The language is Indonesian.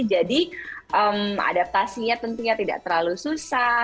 jadi adaptasinya tentunya tidak terlalu susah